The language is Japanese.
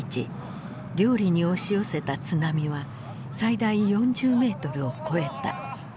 綾里に押し寄せた津波は最大４０メートルを超えた。